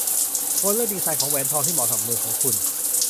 ควรเลือกดีไซน์ของแหวนทองที่เหมาะกับมือของคุณ